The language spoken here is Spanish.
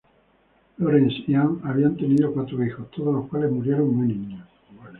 Lawrence y Anne habían tenido cuatro hijos, todos los cuales murieron muy niños.